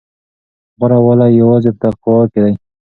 غوره والی یوازې په تقوی کې دی.